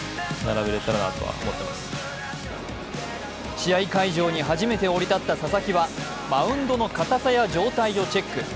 試合会場に初めて降り立った佐々木はマウンドの硬さや状態をチェック。